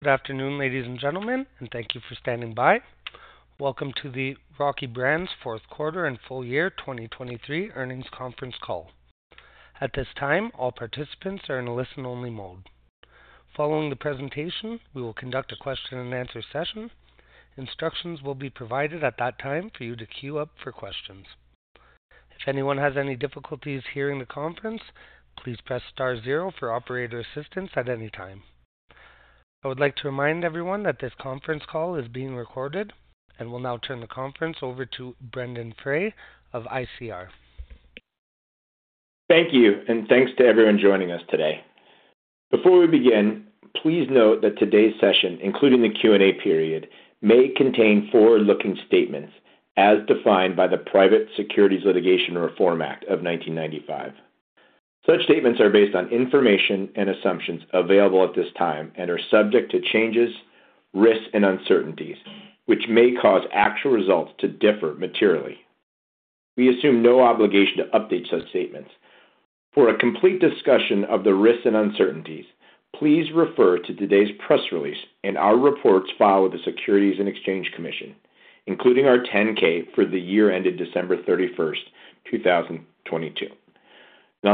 Good afternoon, ladies and gentlemen, and thank you for standing by. Welcome to the Rocky Brands fourth quarter and full year 2023 Earnings Conference Call. At this time, all participants are in a listen-only mode. Following the presentation, we will conduct a question-and-answer session. Instructions will be provided at that time for you to queue up for questions. If anyone has any difficulties hearing the conference, please press star zero for operator assistance at any time. I would like to remind everyone that this conference call is being recorded, and we'll now turn the conference over to Brendon Frey of ICR. Thank you, and thanks to everyone joining us today. Before we begin, please note that today's session, including the Q&A period, may contain forward-looking statements as defined by the Private Securities Litigation Reform Act of 1995. Such statements are based on information and assumptions available at this time and are subject to changes, risks, and uncertainties, which may cause actual results to differ materially. We assume no obligation to update such statements. For a complete discussion of the risks and uncertainties, please refer to today's press release and our reports filed with the Securities and Exchange Commission, including our 10-K for the year ended December 31st, 2022.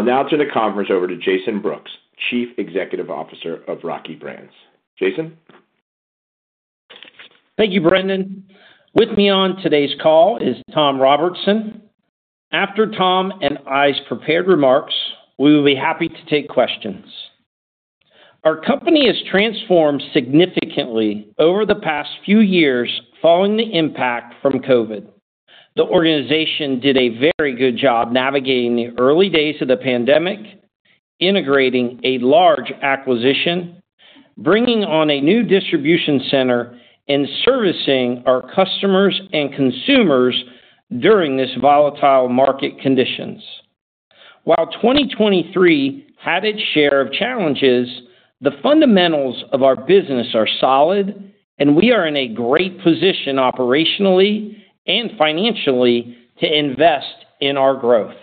Now I'll turn the conference over to Jason Brooks, Chief Executive Officer of Rocky Brands. Jason? Thank you, Brendon. With me on today's call is Tom Robertson. After Tom and I's prepared remarks, we will be happy to take questions. Our company has transformed significantly over the past few years following the impact from COVID. The organization did a very good job navigating the early days of the pandemic, integrating a large acquisition, bringing on a new distribution center, and servicing our customers and consumers during this volatile market conditions. While 2023 had its share of challenges, the fundamentals of our business are solid, and we are in a great position operationally and financially to invest in our growth.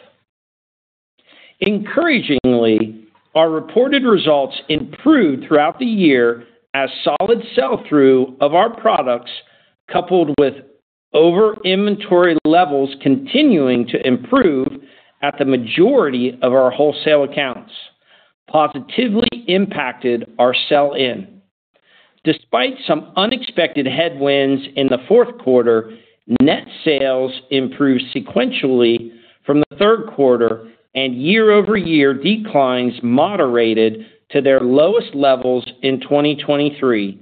Encouragingly, our reported results improved throughout the year as solid sell-through of our products, coupled with over-inventory levels continuing to improve at the majority of our wholesale accounts, positively impacted our sell-in. Despite some unexpected headwinds in the fourth quarter, net sales improved sequentially from the third quarter, and year-over-year declines moderated to their lowest levels in 2023,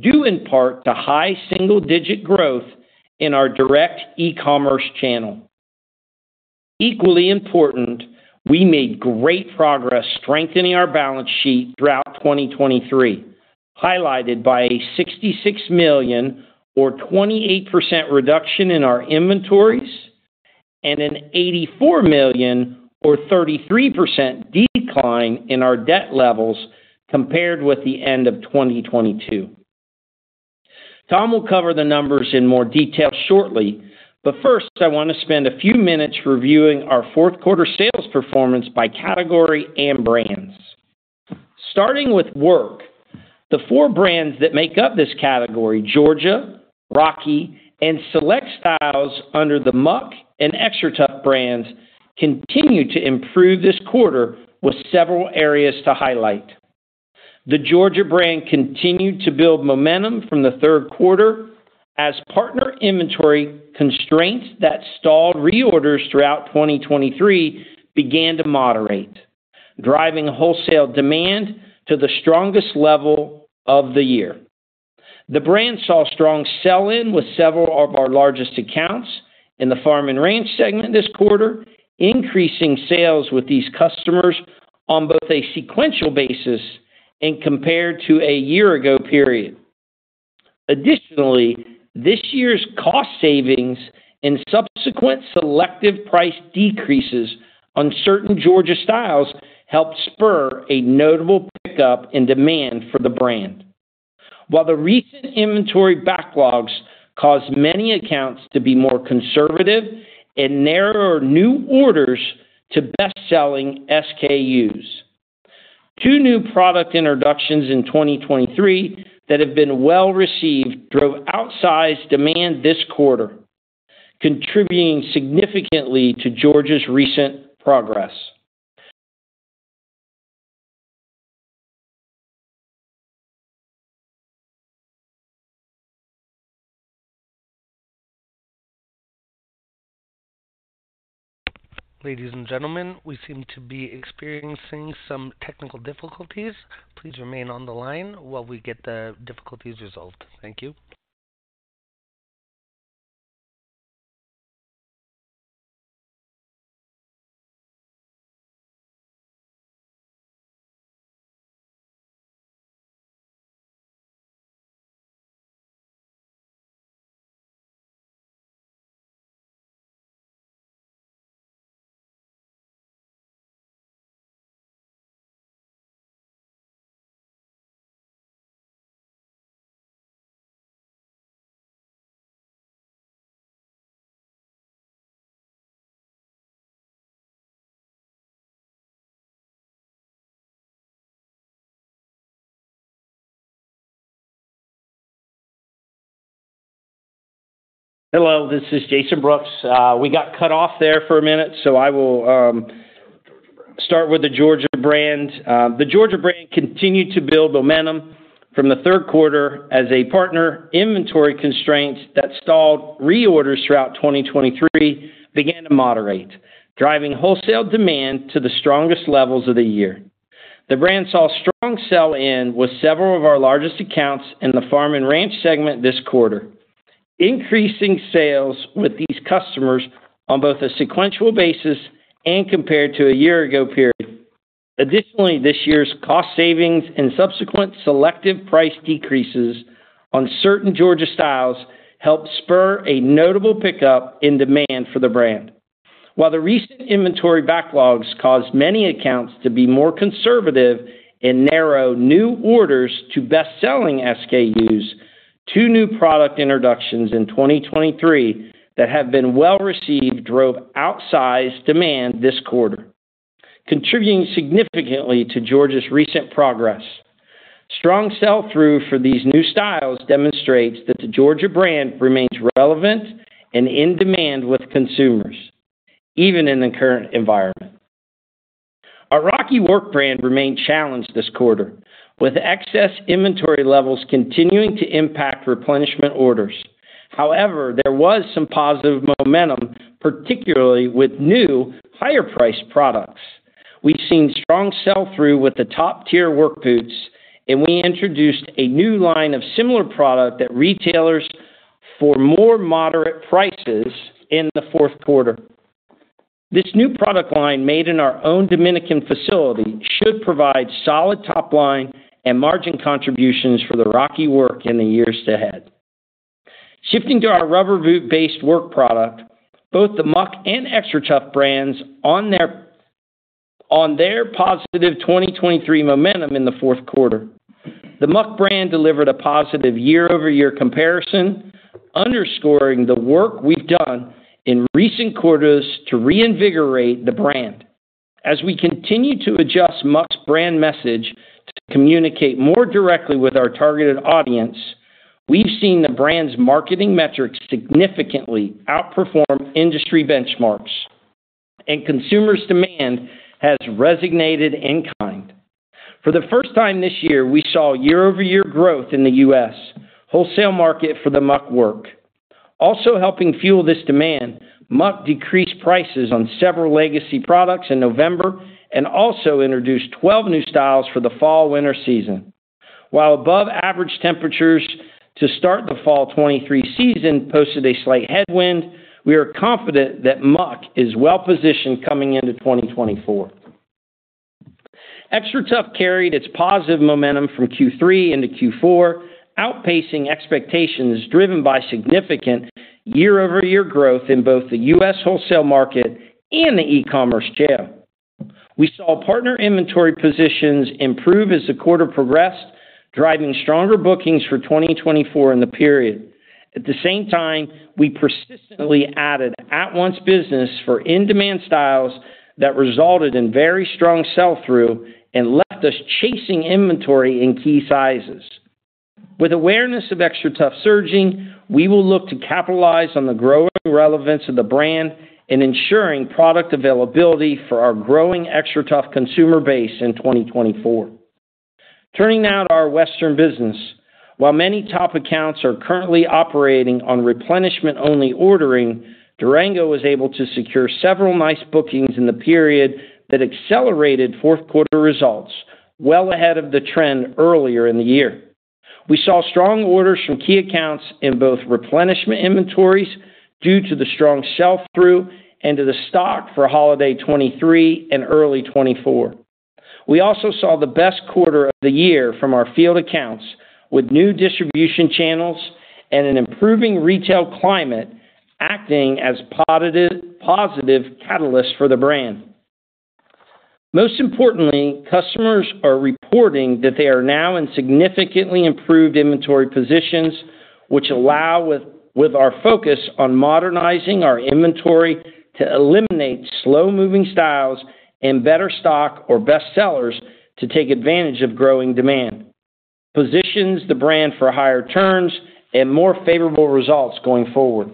due in part to high single-digit growth in our direct e-commerce channel. Equally important, we made great progress strengthening our balance sheet throughout 2023, highlighted by a $66 million, or 28%, reduction in our inventories and an $84 million, or 33%, decline in our debt levels compared with the end of 2022. Tom will cover the numbers in more detail shortly, but first I want to spend a few minutes reviewing our fourth quarter sales performance by category and brands. Starting with work, the four brands that make up this category, Georgia, Rocky, and Select Styles under the Muck and XTRATUF brands, continue to improve this quarter with several areas to highlight. The Georgia brand continued to build momentum from the third quarter as partner inventory constraints that stalled reorders throughout 2023 began to moderate, driving wholesale demand to the strongest level of the year. The brand saw strong sell-in with several of our largest accounts in the farm and ranch segment this quarter, increasing sales with these customers on both a sequential basis and compared to a year-ago period. Additionally, this year's cost savings and subsequent selective price decreases on certain Georgia styles helped spur a notable pickup in demand for the brand, while the recent inventory backlogs caused many accounts to be more conservative and narrow new orders to best-selling SKUs. Two new product introductions in 2023 that have been well received drove outsized demand this quarter, contributing significantly to Georgia's recent progress. Ladies and gentlemen, we seem to be experiencing some technical difficulties. Please remain on the line while we get the difficulties resolved. Thank you. Hello, this is Jason Brooks. We got cut off there for a minute, so I will start with the Georgia brand. The Georgia brand continued to build momentum from the third quarter as a partner inventory constraints that stalled reorders throughout 2023 began to moderate, driving wholesale demand to the strongest levels of the year. The brand saw strong sell-in with several of our largest accounts in the farm and ranch segment this quarter, increasing sales with these customers on both a sequential basis and compared to a year-ago period. Additionally, this year's cost savings and subsequent selective price decreases on certain Georgia styles helped spur a notable pickup in demand for the brand. While the recent inventory backlogs caused many accounts to be more conservative and narrow new orders to best-selling SKUs, 2 new product introductions in 2023 that have been well received drove outsized demand this quarter, contributing significantly to Georgia's recent progress. Strong sell-through for these new styles demonstrates that the Georgia brand remains relevant and in demand with consumers, even in the current environment. Our Rocky Work brand remained challenged this quarter, with excess inventory levels continuing to impact replenishment orders. However, there was some positive momentum, particularly with new, higher-priced products. We've seen strong sell-through with the top-tier work boots, and we introduced a new line of similar product at retailers for more moderate prices in the fourth quarter. This new product line made in our own Dominican facility should provide solid top-line and margin contributions for the Rocky Work in the years ahead. Shifting to our rubber boot-based work product, both the Muck and XTRATUF brands on their positive 2023 momentum in the fourth quarter. The Muck brand delivered a positive year-over-year comparison, underscoring the work we've done in recent quarters to reinvigorate the brand. As we continue to adjust Muck's brand message to communicate more directly with our targeted audience, we've seen the brand's marketing metrics significantly outperform industry benchmarks, and consumer demand has resonated in kind. For the first time this year, we saw year-over-year growth in the U.S. wholesale market for the Muck Work. Also helping fuel this demand, Muck decreased prices on several legacy products in November and also introduced 12 new styles for the fall/winter season. While above-average temperatures to start the fall 2023 season posted a slight headwind, we are confident that Muck is well positioned coming into 2024. XTRATUF carried its positive momentum from Q3 into Q4, outpacing expectations driven by significant year-over-year growth in both the U.S. wholesale market and the e-commerce chain. We saw partner inventory positions improve as the quarter progressed, driving stronger bookings for 2024 in the period. At the same time, we persistently added at-once business for in-demand styles that resulted in very strong sell-through and left us chasing inventory in key sizes. With awareness of XTRATUF surging, we will look to capitalize on the growing relevance of the brand and ensuring product availability for our growing XTRATUF consumer base in 2024. Turning now to our Western business, while many top accounts are currently operating on replenishment-only ordering, Durango was able to secure several nice bookings in the period that accelerated fourth quarter results well ahead of the trend earlier in the year. We saw strong orders from key accounts in both replenishment inventories due to the strong sell-through and to the stock for holiday 2023 and early 2024. We also saw the best quarter of the year from our field accounts, with new distribution channels and an improving retail climate acting as positive catalysts for the brand. Most importantly, customers are reporting that they are now in significantly improved inventory positions, which allow, with our focus on modernizing our inventory to eliminate slow-moving styles and better stock or bestsellers to take advantage of growing demand, positions the brand for higher turns and more favorable results going forward.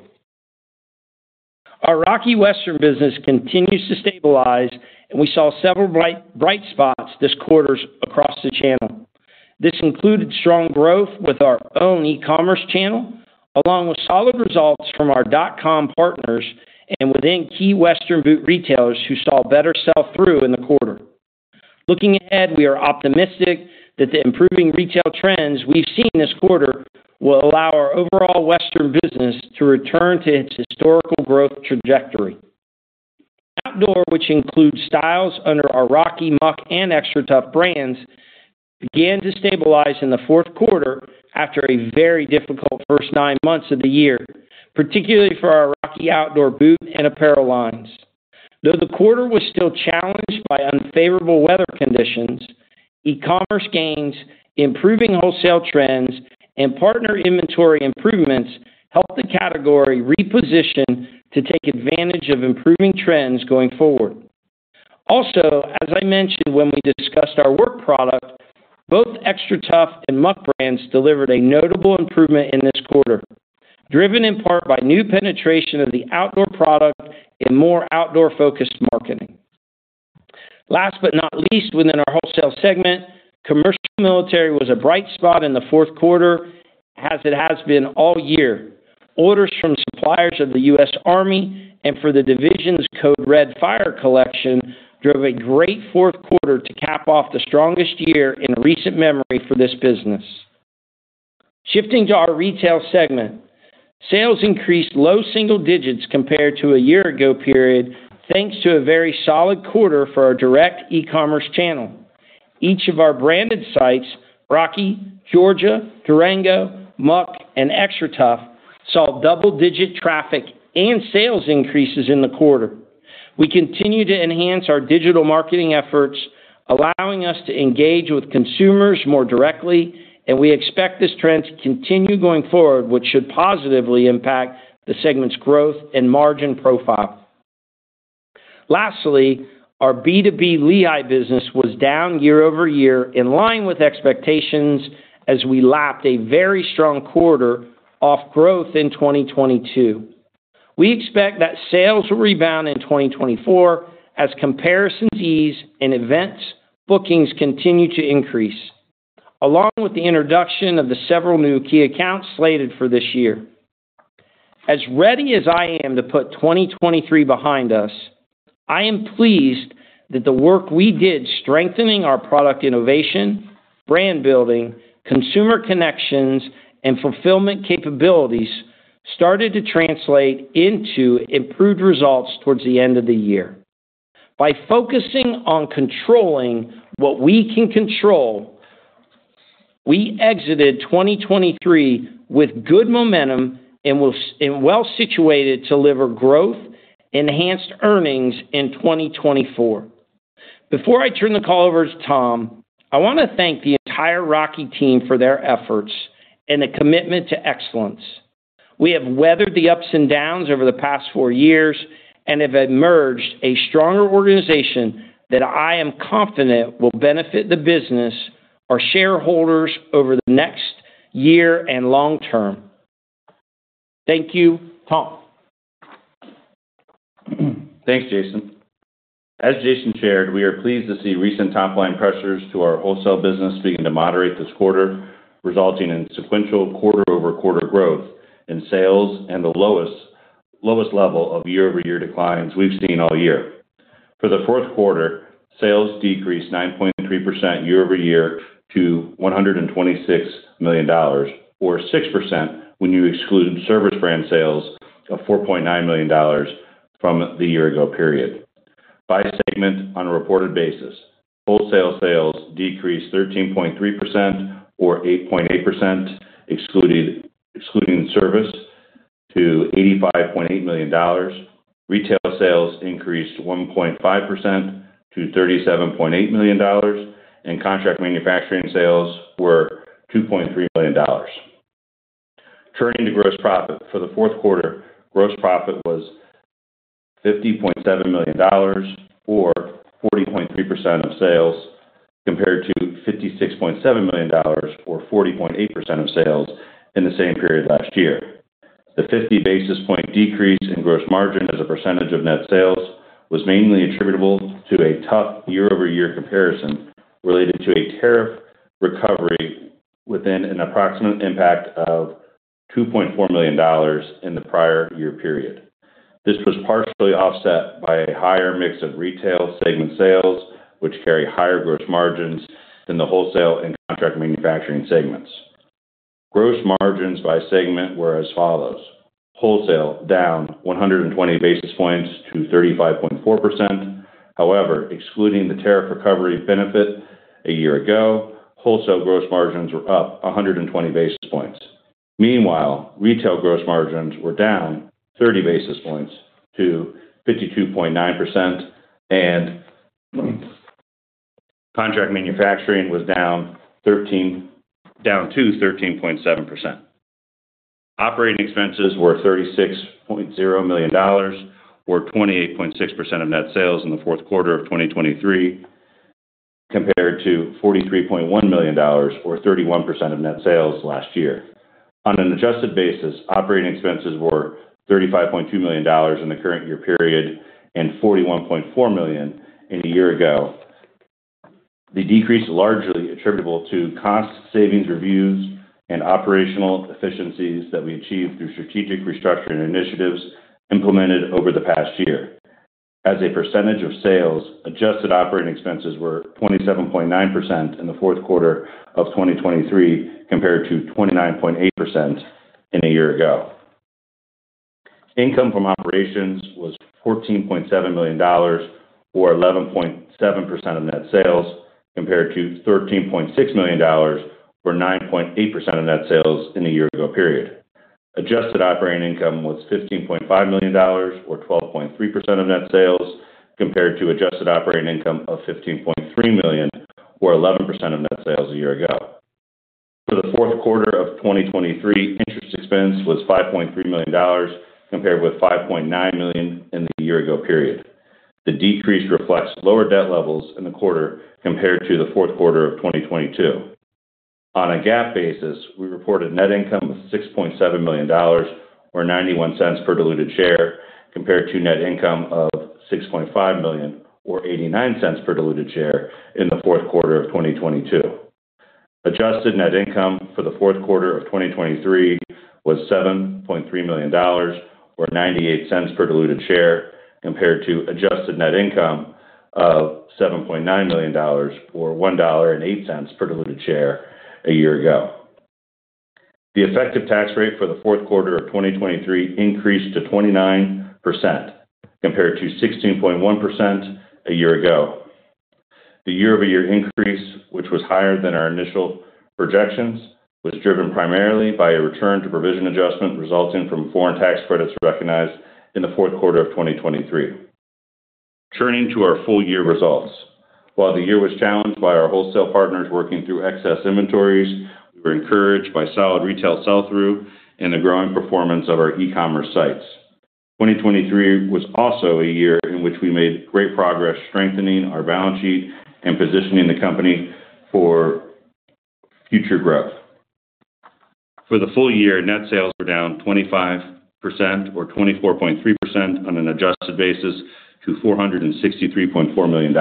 Our Rocky Western business continues to stabilize, and we saw several bright spots this quarter across the channel. This included strong growth with our own e-commerce channel, along with solid results from our dot-com partners and within key Western boot retailers who saw better sell-through in the quarter. Looking ahead, we are optimistic that the improving retail trends we've seen this quarter will allow our overall Western business to return to its historical growth trajectory. Outdoor, which includes styles under our Rocky, Muck, and XTRATUF brands, began to stabilize in the fourth quarter after a very difficult first nine months of the year, particularly for our Rocky Outdoor boot and apparel lines. Though the quarter was still challenged by unfavorable weather conditions, e-commerce gains, improving wholesale trends, and partner inventory improvements helped the category reposition to take advantage of improving trends going forward. Also, as I mentioned when we discussed our work product, both XTRATUF and Muck brands delivered a notable improvement in this quarter, driven in part by new penetration of the outdoor product and more outdoor-focused marketing. Last but not least, within our wholesale segment, commercial military was a bright spot in the fourth quarter as it has been all year. Orders from suppliers of the U.S. Army and for the division's Code Red Fire collection drove a great fourth quarter to cap off the strongest year in recent memory for this business. Shifting to our retail segment, sales increased low single digits compared to a year-ago period thanks to a very solid quarter for our direct e-commerce channel. Each of our branded sites, Rocky, Georgia, Durango, Muck, and XTRATUF, saw double-digit traffic and sales increases in the quarter. We continue to enhance our digital marketing efforts, allowing us to engage with consumers more directly, and we expect this trend to continue going forward, which should positively impact the segment's growth and margin profile. Lastly, our B2B Lehigh business was down year-over-year in line with expectations as we lapped a very strong quarter of growth in 2022. We expect that sales will rebound in 2024 as comparisons ease and events/bookings continue to increase, along with the introduction of several new key accounts slated for this year. As ready as I am to put 2023 behind us, I am pleased that the work we did strengthening our product innovation, brand building, consumer connections, and fulfillment capabilities started to translate into improved results towards the end of the year. By focusing on controlling what we can control, we exited 2023 with good momentum and well situated to deliver growth, enhanced earnings in 2024. Before I turn the call over to Tom, I want to thank the entire Rocky team for their efforts and the commitment to excellence. We have weathered the ups and downs over the past four years and have emerged a stronger organization that I am confident will benefit the business, our shareholders over the next year and long term. Thank you, Tom. Thanks, Jason. As Jason shared, we are pleased to see recent top-line pressures to our wholesale business begin to moderate this quarter, resulting in sequential quarter-over-quarter growth in sales and the lowest level of year-over-year declines we've seen all year. For the fourth quarter, sales decreased 9.3% year-over-year to $126 million, or 6% when you exclude Servus brand sales of $4.9 million from the year-ago period. By segment, on a reported basis, wholesale sales decreased 13.3%, or 8.8%, excluding Servus, to $85.8 million. Retail sales increased 1.5% to $37.8 million, and contract manufacturing sales were $2.3 million. Turning to gross profit, for the fourth quarter, gross profit was $50.7 million, or 40.3% of sales, compared to $56.7 million, or 40.8% of sales, in the same period last year. The 50 basis point decrease in gross margin as a percentage of net sales was mainly attributable to a tough year-over-year comparison related to a tariff recovery within an approximate impact of $2.4 million in the prior year period. This was partially offset by a higher mix of retail segment sales, which carry higher gross margins than the wholesale and contract manufacturing segments. Gross margins by segment were as follows: wholesale down 120 basis points to 35.4%. However, excluding the tariff recovery benefit a year ago, wholesale gross margins were up 120 basis points. Meanwhile, retail gross margins were down 30 basis points to 52.9%, and contract manufacturing was down 213 basis points to 13.7%. Operating expenses were $36.0 million, or 28.6% of net sales in the fourth quarter of 2023, compared to $43.1 million, or 31% of net sales last year. On an adjusted basis, operating expenses were $35.2 million in the current year period and $41.4 million in a year ago. The decrease is largely attributable to cost savings reviews and operational efficiencies that we achieved through strategic restructuring initiatives implemented over the past year. As a percentage of sales, adjusted operating expenses were 27.9% in the fourth quarter of 2023, compared to 29.8% in a year ago. Income from operations was $14.7 million, or 11.7% of net sales, compared to $13.6 million, or 9.8% of net sales in a year-ago period. Adjusted operating income was $15.5 million, or 12.3% of net sales, compared to adjusted operating income of $15.3 million, or 11% of net sales a year ago. For the fourth quarter of 2023, interest expense was $5.3 million, compared with $5.9 million in the year-ago period. The decrease reflects lower debt levels in the quarter compared to the fourth quarter of 2022. On a GAAP basis, we reported net income of $6.7 million, or $0.91 per diluted share, compared to net income of $6.5 million, or $0.89 per diluted share, in the fourth quarter of 2022. Adjusted net income for the fourth quarter of 2023 was $7.3 million, or $0.98 per diluted share, compared to adjusted net income of $7.9 million, or $1.08 per diluted share, a year ago. The effective tax rate for the fourth quarter of 2023 increased to 29%, compared to 16.1% a year ago. The year-over-year increase, which was higher than our initial projections, was driven primarily by a return to provision adjustment resulting from foreign tax credits recognized in the fourth quarter of 2023. Turning to our full-year results. While the year was challenged by our wholesale partners working through excess inventories, we were encouraged by solid retail sell-through and the growing performance of our e-commerce sites. 2023 was also a year in which we made great progress strengthening our balance sheet and positioning the company for future growth. For the full year, net sales were down 25%, or 24.3%, on an adjusted basis to $463.4 million,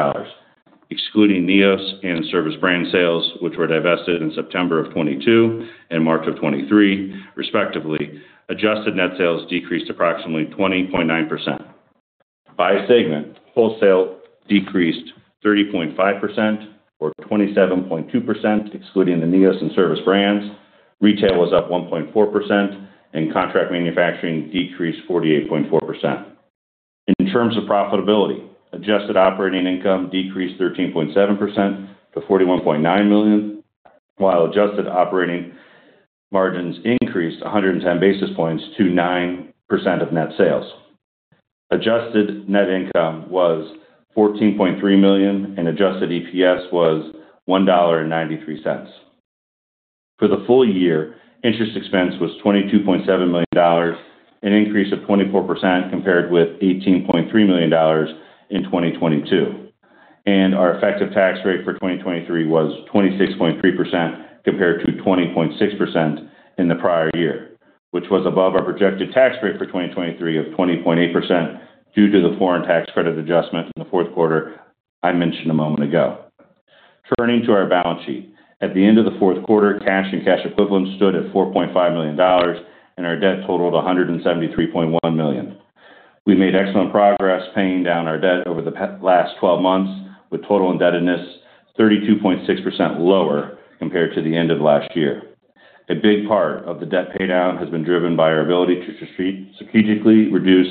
excluding NEOS and Servus brand sales, which were divested in September of 2022 and March of 2023, respectively. Adjusted net sales decreased approximately 20.9%. By segment, wholesale decreased 30.5%, or 27.2%, excluding the NEOS and Servus brands. Retail was up 1.4%, and contract manufacturing decreased 48.4%. In terms of profitability, adjusted operating income decreased 13.7% to $41.9 million, while adjusted operating margins increased 110 basis points to 9% of net sales. Adjusted net income was $14.3 million, and adjusted EPS was $1.93. For the full year, interest expense was $22.7 million, an increase of 24% compared with $18.3 million in 2022. Our effective tax rate for 2023 was 26.3% compared to 20.6% in the prior year, which was above our projected tax rate for 2023 of 20.8% due to the foreign tax credit adjustment in the fourth quarter I mentioned a moment ago. Turning to our balance sheet. At the end of the fourth quarter, cash and cash equivalents stood at $4.5 million, and our debt totaled $173.1 million. We made excellent progress paying down our debt over the last 12 months, with total indebtedness 32.6% lower compared to the end of last year. A big part of the debt paydown has been driven by our ability to strategically reduce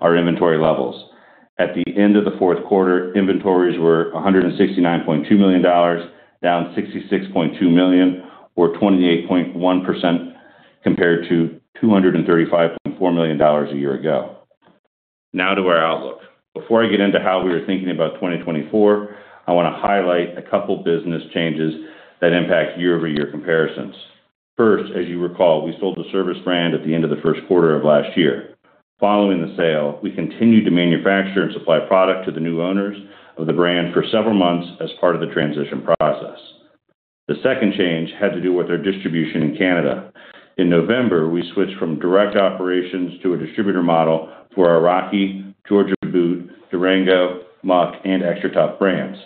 our inventory levels. At the end of the fourth quarter, inventories were $169.2 million, down $66.2 million, or 28.1% compared to $235.4 million a year ago. Now to our outlook. Before I get into how we were thinking about 2024, I want to highlight a couple of business changes that impact year-over-year comparisons. First, as you recall, we sold the Servus brand at the end of the first quarter of last year. Following the sale, we continued to manufacture and supply product to the new owners of the brand for several months as part of the transition process. The second change had to do with our distribution in Canada. In November, we switched from direct operations to a distributor model for our Rocky, Georgia Boot, Durango, Muck, and XTRATUF brands.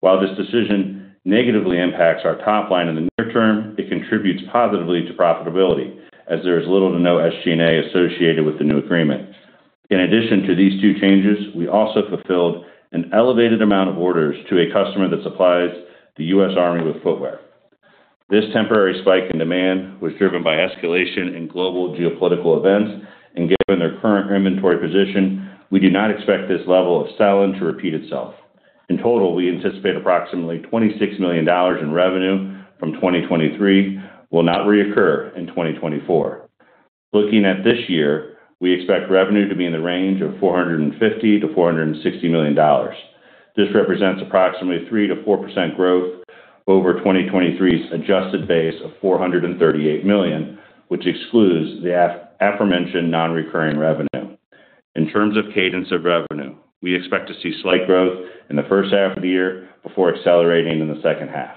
While this decision negatively impacts our top line in the near term, it contributes positively to profitability as there is little to no SG&A associated with the new agreement. In addition to these two changes, we also fulfilled an elevated amount of orders to a customer that supplies the U.S. Army with footwear. This temporary spike in demand was driven by escalation in global geopolitical events, and given their current inventory position, we do not expect this level of sell-in to repeat itself. In total, we anticipate approximately $26 million in revenue from 2023 will not reoccur in 2024. Looking at this year, we expect revenue to be in the range of $450-$460 million. This represents approximately 3%-4% growth over 2023's adjusted base of $438 million, which excludes the aforementioned non-recurring revenue. In terms of cadence of revenue, we expect to see slight growth in the first half of the year before accelerating in the second half.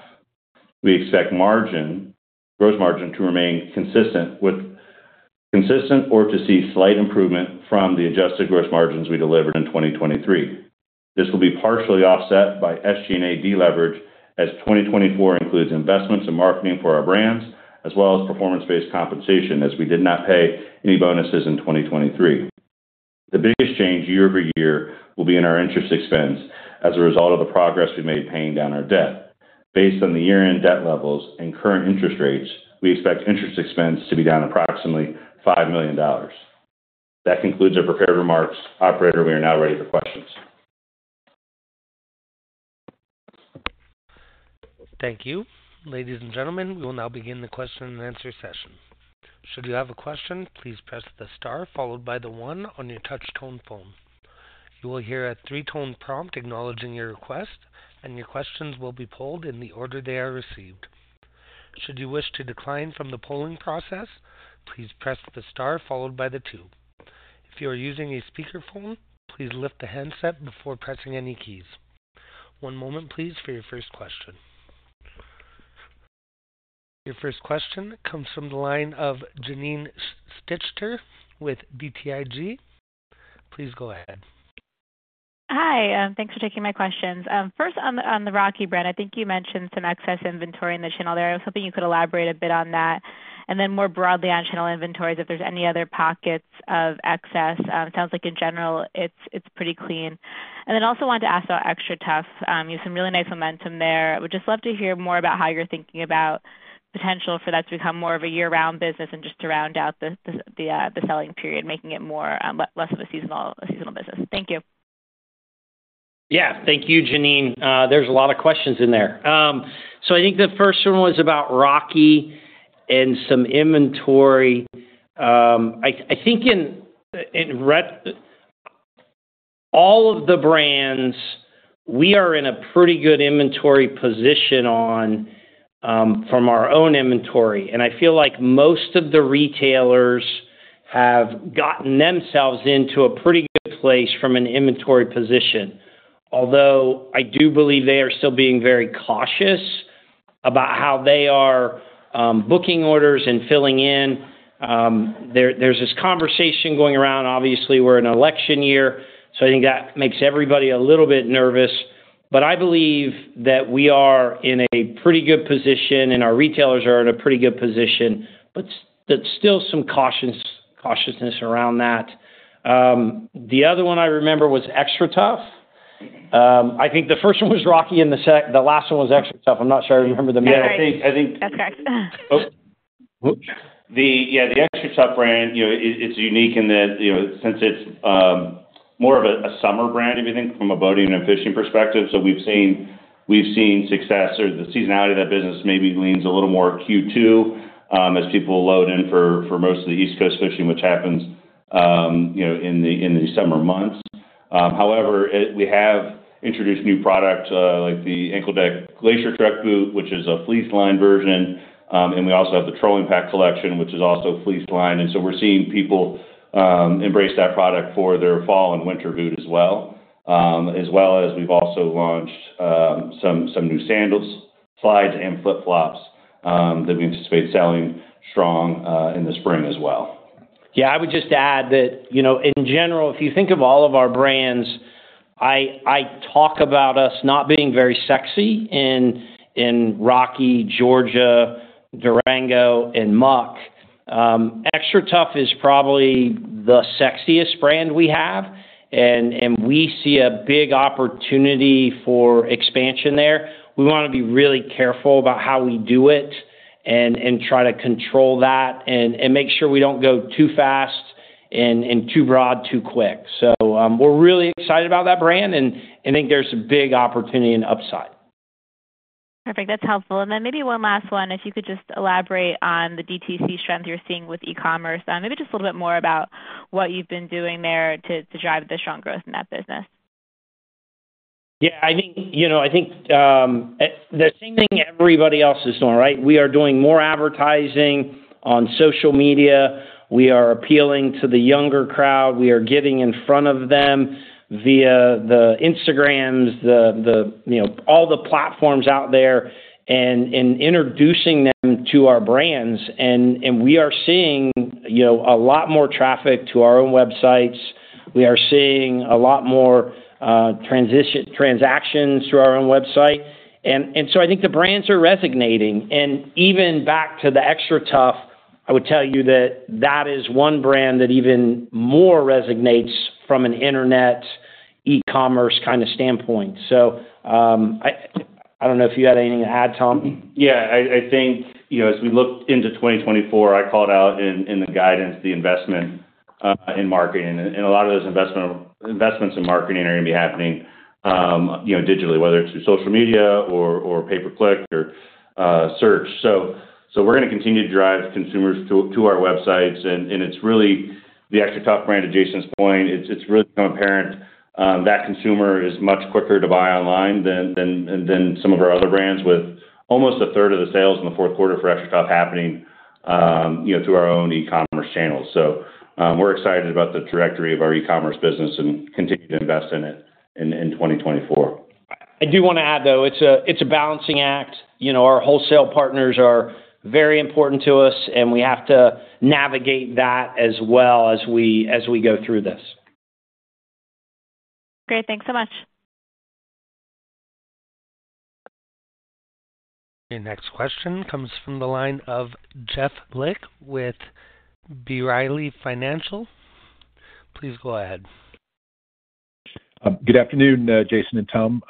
We expect gross margin to remain consistent or to see slight improvement from the adjusted gross margins we delivered in 2023. This will be partially offset by SG&A deleverage as 2024 includes investments and marketing for our brands, as well as performance-based compensation as we did not pay any bonuses in 2023. The biggest change year-over-year will be in our interest expense as a result of the progress we made paying down our debt. Based on the year-end debt levels and current interest rates, we expect interest expense to be down approximately $5 million. That concludes our prepared remarks. Operator, we are now ready for questions. Thank you. Ladies and gentlemen, we will now begin the question-and-answer session. Should you have a question, please press the star followed by the 1 on your touch-tone phone. You will hear a three-tone prompt acknowledging your request, and your questions will be polled in the order they are received. Should you wish to decline from the polling process, please press the star followed by the 2. If you are using a speakerphone, please lift the handset before pressing any keys. One moment, please, for your first question. Your first question comes from the line of Janine Stichter with BTIG. Please go ahead. Hi. Thanks for taking my questions. First, on the Rocky brand, I think you mentioned some excess inventory in the channel there. I was hoping you could elaborate a bit on that. Then more broadly on channel inventories, if there's any other pockets of excess. Sounds like, in general, it's pretty clean. Then also wanted to ask about XTRATUF. You have some really nice momentum there. I would just love to hear more about how you're thinking about potential for that to become more of a year-round business and just to round out the selling period, making it less of a seasonal business. Thank you. Yeah. Thank you, Janine. There's a lot of questions in there. So I think the first one was about Rocky and some inventory. I think in all of the brands, we are in a pretty good inventory position from our own inventory. And I feel like most of the retailers have gotten themselves into a pretty good place from an inventory position, although I do believe they are still being very cautious about how they are booking orders and filling in. There's this conversation going around. Obviously, we're in an election year, so I think that makes everybody a little bit nervous. But I believe that we are in a pretty good position, and our retailers are in a pretty good position, but still some cautiousness around that. The other one I remember was XTRATUF. I think the first one was Rocky, and the last one was XTRATUF. I'm not sure I remember the middle. Yeah. I think. That's correct. Yeah. The XTRATUF brand, it's unique in that since it's more of a summer brand, I think, from a boating and fishing perspective, so we've seen success. Or the seasonality of that business maybe leans a little more Q2 as people load in for most of the East Coast fishing, which happens in the summer months. However, we have introduced new products like the Ankle Deck Glacier Trek boot, which is a fleece-lined version. And we also have the Trolling Pack collection, which is also fleece-lined. And so we're seeing people embrace that product for their fall and winter boot as well. As well as we've also launched some new sandals, slides, and flip-flops that we anticipate selling strong in the spring as well. Yeah. I would just add that, in general, if you think of all of our brands, I talk about us not being very sexy in Rocky, Georgia, Durango, and Muck. XTRATUF is probably the sexiest brand we have, and we see a big opportunity for expansion there. We want to be really careful about how we do it and try to control that and make sure we don't go too fast and too broad too quick. So we're really excited about that brand, and I think there's a big opportunity and upside. Perfect. That's helpful. And then maybe one last one, if you could just elaborate on the DTC strength you're seeing with e-commerce? Maybe just a little bit more about what you've been doing there to drive the strong growth in that business. Yeah. I think the same thing everybody else is doing, right? We are doing more advertising on social media. We are appealing to the younger crowd. We are getting in front of them via Instagram, all the platforms out there, and introducing them to our brands. And we are seeing a lot more traffic to our own websites. We are seeing a lot more transactions through our own website. And so I think the brands are resonating. And even back to the XTRATUF, I would tell you that that is one brand that even more resonates from an internet e-commerce kind of standpoint. So I don't know if you had anything to add, Tom. Yeah. I think as we looked into 2024, I called out in the guidance the investment in marketing. A lot of those investments in marketing are going to be happening digitally, whether it's through social media or pay-per-click or search. So we're going to continue to drive consumers to our websites. The XTRATUF brand, to Jason's point, it's really become apparent that consumer is much quicker to buy online than some of our other brands, with almost a third of the sales in the fourth quarter for XTRATUF happening through our own e-commerce channels. So we're excited about the trajectory of our e-commerce business and continue to invest in it in 2024. I do want to add, though, it's a balancing act. Our wholesale partners are very important to us, and we have to navigate that as well as we go through this. Great. Thanks so much. Okay. Next question comes from the line of Jeff Lick with B. Riley Financial. Please go ahead. Good afternoon, Jason and Tom.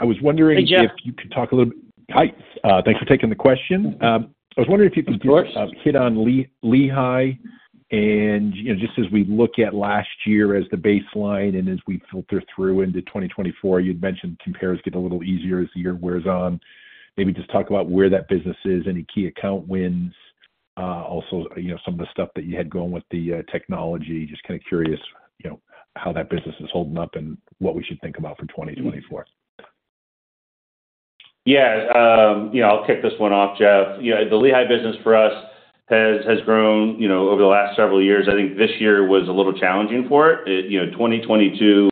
I was wondering if you could talk a little bit. Hey, John. Hi. Thanks for taking the question. I was wondering if you could. Of course. Hit on Lehigh. Just as we look at last year as the baseline and as we filter through into 2024, you'd mentioned compares get a little easier as the year wears on. Maybe just talk about where that business is, any key account wins, also some of the stuff that you had going with the technology. Just kind of curious how that business is holding up and what we should think about for 2024. Yeah. I'll kick this one off, Jeff. The Lehigh business for us has grown over the last several years. I think this year was a little challenging for it. 2022,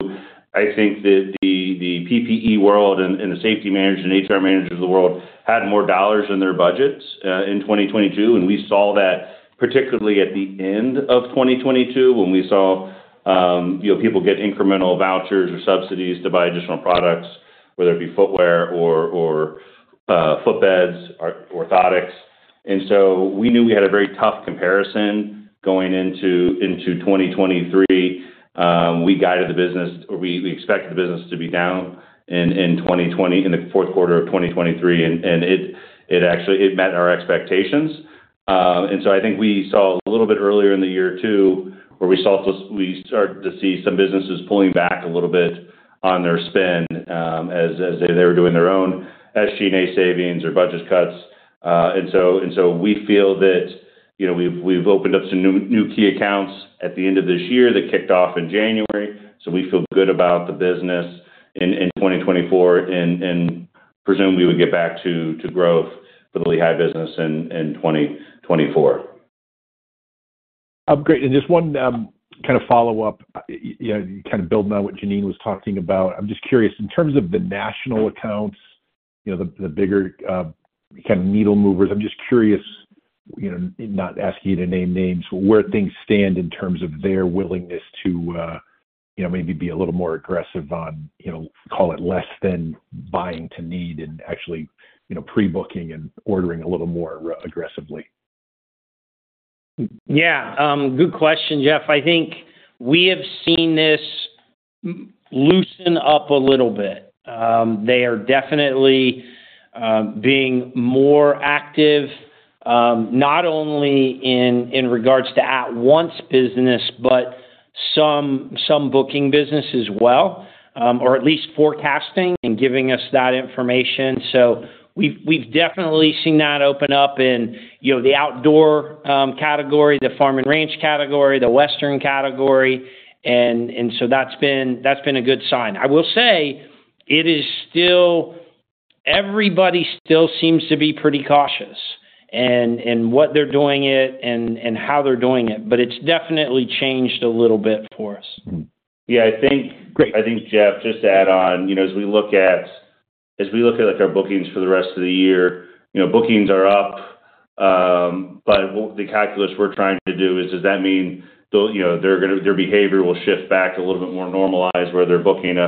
I think the PPE world and the safety managers and HR managers of the world had more dollars in their budgets in 2022. And we saw that particularly at the end of 2022 when we saw people get incremental vouchers or subsidies to buy additional products, whether it be footwear or footbeds, orthotics. And so we knew we had a very tough comparison going into 2023. We guided the business or we expected the business to be down in the fourth quarter of 2023, and it met our expectations. And so I think we saw a little bit earlier in the year too where we started to see some businesses pulling back a little bit on their spend as they were doing their own SG&A savings or budget cuts. And so we feel that we've opened up some new key accounts at the end of this year that kicked off in January. So we feel good about the business in 2024, and presume we would get back to growth for the Lehigh business in 2024. Great. Just one kind of follow-up, kind of building on what Janine was talking about. I'm just curious, in terms of the national accounts, the bigger kind of needle movers, I'm just curious, not asking you to name names, where things stand in terms of their willingness to maybe be a little more aggressive on, call it, less than buying to need and actually pre-booking and ordering a little more aggressively. Yeah. Good question, Jeff. I think we have seen this loosen up a little bit. They are definitely being more active, not only in regards to at-once business but some booking business as well, or at least forecasting and giving us that information. So we've definitely seen that open up in the outdoor category, the farm and ranch category, the western category. And so that's been a good sign. I will say everybody still seems to be pretty cautious in what they're doing it and how they're doing it. But it's definitely changed a little bit for us. Yeah. I think, Jeff, just to add on, as we look at our bookings for the rest of the year, bookings are up. But the calculus we're trying to do is, does that mean their behavior will shift back a little bit more normalized where they're booking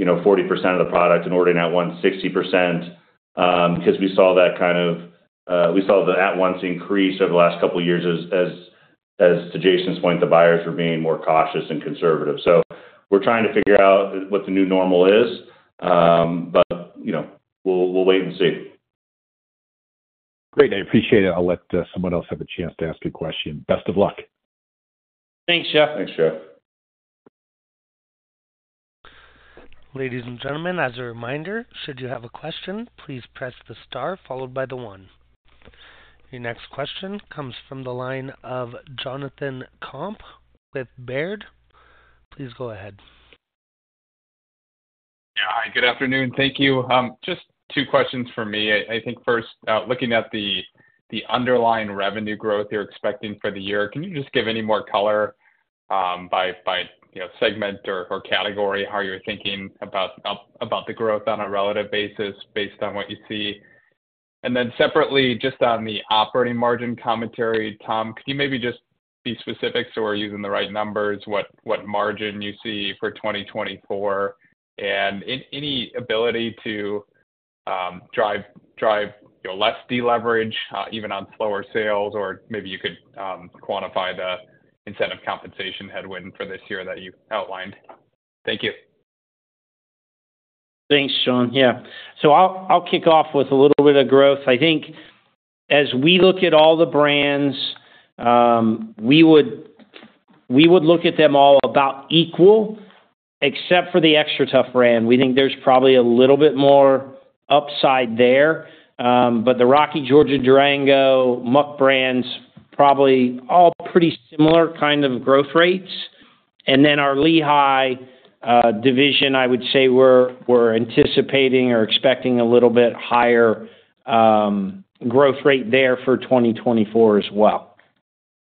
40% of the product and ordering at-once 60%? Because we saw the at-once increase over the last couple of years. As to Jason's point, the buyers were being more cautious and conservative. So we're trying to figure out what the new normal is, but we'll wait and see. Great. I appreciate it. I'll let someone else have a chance to ask a question. Best of luck. Thanks, Jeff. Thanks, Jeff. Ladies and gentlemen, as a reminder, should you have a question, please press the star followed by the 1. Your next question comes from the line of Jonathan Komp with Baird. Please go ahead. Yeah. Hi. Good afternoon. Thank you. Just two questions from me. I think first, looking at the underlying revenue growth you're expecting for the year, can you just give any more color by segment or category, how you're thinking about the growth on a relative basis based on what you see? And then separately, just on the operating margin commentary, Tom, could you maybe just be specific so we're using the right numbers, what margin you see for 2024, and any ability to drive less deleverage even on slower sales? Or maybe you could quantify the incentive compensation headwind for this year that you outlined. Thank you. Thanks, Sean. Yeah. So I'll kick off with a little bit of growth. I think as we look at all the brands, we would look at them all about equal, except for the XTRATUF brand. We think there's probably a little bit more upside there. But the Rocky, Georgia, Durango, Muck brands, probably all pretty similar kind of growth rates. And then our Lehigh division, I would say we're anticipating or expecting a little bit higher growth rate there for 2024 as well.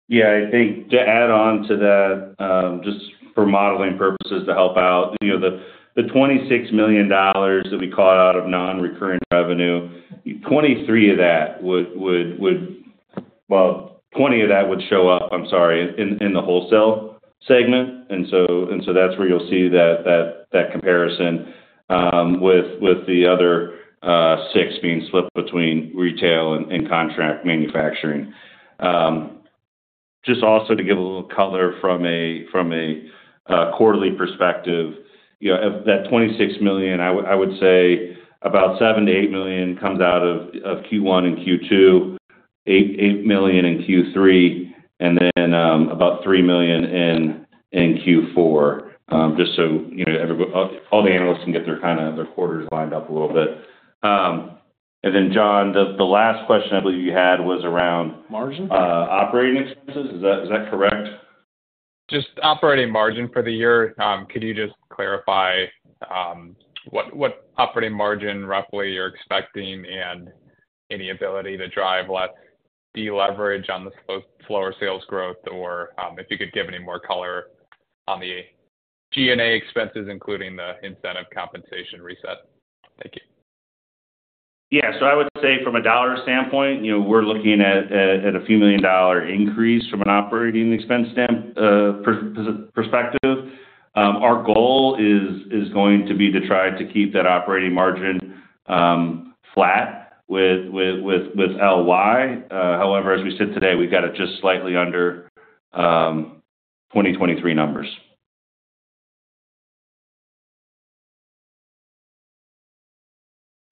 Yeah. I think to add on to that, just for modeling purposes to help out, the $26 million that we caught out of non-recurring revenue, 23 of that would, well, 20 of that would show up, I'm sorry, in the wholesale segment. And so that's where you'll see that comparison with the other 6 being split between retail and contract manufacturing. Just also to give a little color from a quarterly perspective, that $26 million, I would say about $7 million-$8 million comes out of Q1 and Q2, $8 million in Q3, and then about $3 million in Q4, just so all the analysts can get their quarters lined up a little bit. And then, John, the last question I believe you had was around. Margin? Operating expenses. Is that correct? Just operating margin for the year. Could you just clarify what operating margin roughly you're expecting and any ability to drive less deleverage on the slower sales growth? Or if you could give any more color on the G&A expenses, including the incentive compensation reset? Thank you. Yeah. So I would say from a dollar standpoint, we're looking at a $few million-dollar increase from an operating expense perspective. Our goal is going to be to try to keep that operating margin flat with LY. However, as we sit today, we've got it just slightly under 2023 numbers.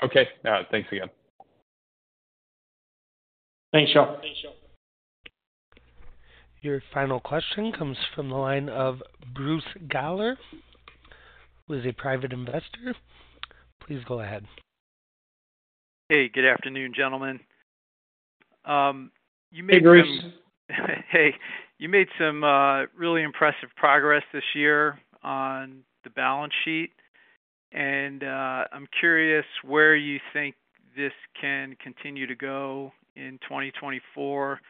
Okay. Thanks again. Thanks, Jon. Your final question comes from the line of Bruce Geller, who is a private investor. Please go ahead. Hey. Good afternoon, gentlemen. You made some. Hey, Bruce. Hey. You made some really impressive progress this year on the balance sheet. I'm curious where you think this can continue to go in 2024.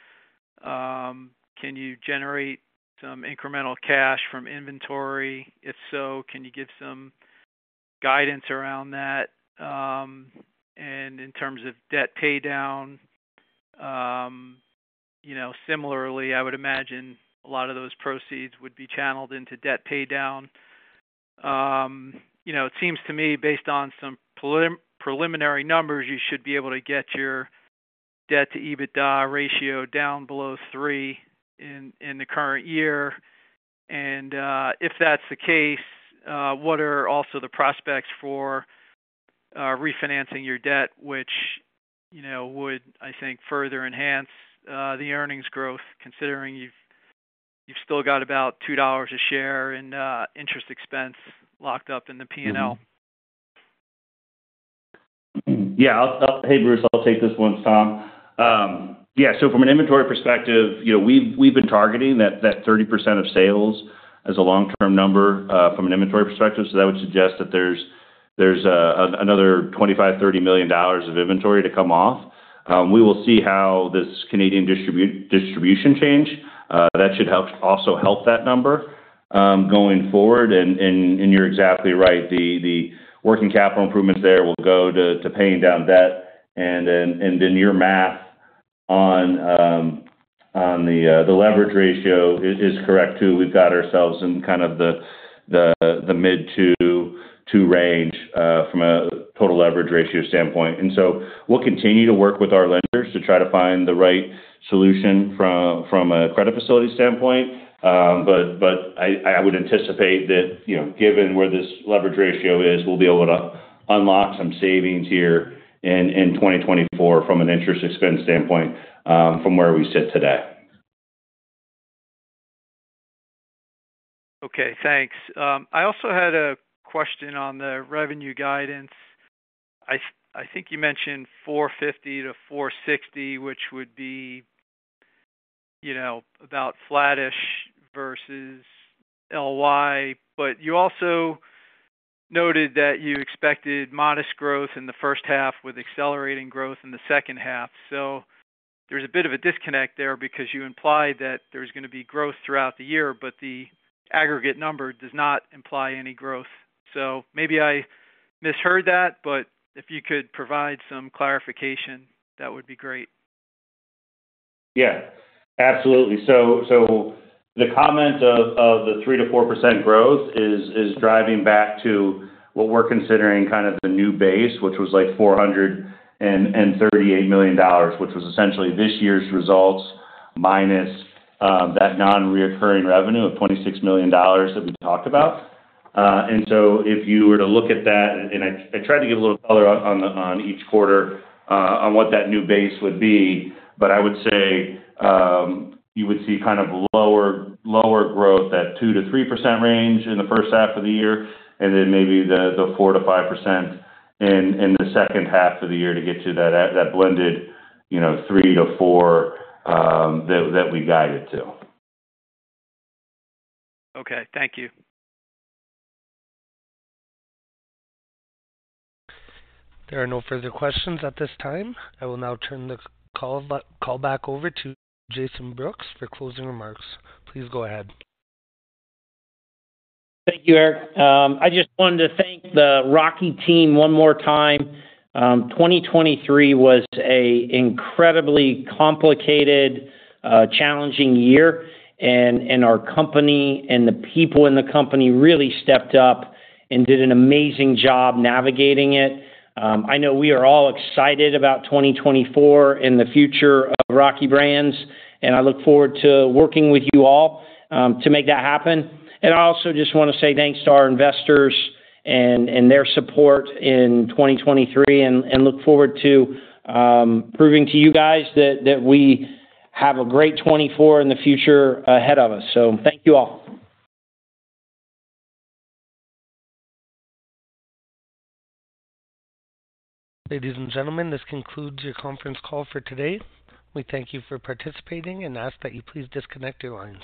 Can you generate some incremental cash from inventory? If so, can you give some guidance around that? In terms of debt paydown, similarly, I would imagine a lot of those proceeds would be channeled into debt paydown. It seems to me, based on some preliminary numbers, you should be able to get your debt-to-EBITDA ratio down below 3 in the current year. If that's the case, what are also the prospects for refinancing your debt, which would, I think, further enhance the earnings growth considering you've still got about $2 a share in interest expense locked up in the P&L? Yeah. Hey, Bruce. I'll take this once, Tom. Yeah. So from an inventory perspective, we've been targeting that 30% of sales as a long-term number from an inventory perspective. So that would suggest that there's another $25-$30 million of inventory to come off. We will see how this Canadian distribution change. That should also help that number going forward. And you're exactly right. The working capital improvements there will go to paying down debt. And then your math on the leverage ratio is correct too. We've got ourselves in kind of the mid-2 range from a total leverage ratio standpoint. And so we'll continue to work with our lenders to try to find the right solution from a credit facility standpoint. I would anticipate that given where this leverage ratio is, we'll be able to unlock some savings here in 2024 from an interest expense standpoint from where we sit today. Okay. Thanks. I also had a question on the revenue guidance. I think you mentioned $450-$460, which would be about flattish versus LY. But you also noted that you expected modest growth in the first half with accelerating growth in the second half. So there's a bit of a disconnect there because you implied that there's going to be growth throughout the year, but the aggregate number does not imply any growth. So maybe I misheard that, but if you could provide some clarification, that would be great. Yeah. Absolutely. So the comment of the 3%-4% growth is driving back to what we're considering kind of the new base, which was like $438 million, which was essentially this year's results minus that non-recurring revenue of $26 million that we talked about. And so if you were to look at that and I tried to give a little color on each quarter on what that new base would be, but I would say you would see kind of lower growth at 2%-3% range in the first half of the year and then maybe the 4%-5% in the second half of the year to get to that blended 3%-4% that we guided to. Okay. Thank you. There are no further questions at this time. I will now turn the call back over to Jason Brooks for closing remarks. Please go ahead. Thank you, Eric. I just wanted to thank the Rocky team one more time. 2023 was an incredibly complicated, challenging year. Our company and the people in the company really stepped up and did an amazing job navigating it. I know we are all excited about 2024 and the future of Rocky Brands. I look forward to working with you all to make that happen. I also just want to say thanks to our investors and their support in 2023 and look forward to proving to you guys that we have a great 2024 and the future ahead of us. So thank you all. Ladies and gentlemen, this concludes your conference call for today. We thank you for participating and ask that you please disconnect your lines.